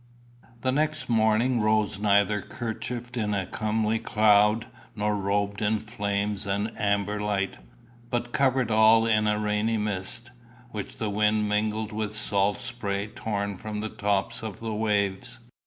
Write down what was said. The next morning rose neither "cherchef't in a comely cloud" nor "roab'd in flames and amber light," but covered all in a rainy mist, which the wind mingled with salt spray torn from the tops of the waves.